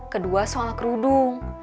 kedua soal kerudung